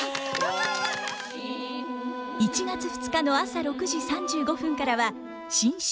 １月２日の朝６時３５分からは新春吟詠。